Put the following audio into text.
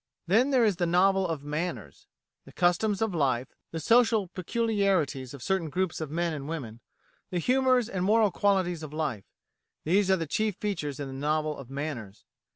Then there is the novel of Manners. The customs of life, the social peculiarities of certain groups of men and women, the humours and moral qualities of life these are the chief features in the novel of manners.